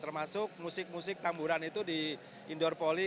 termasuk musik musik tamburan itu di indoor poli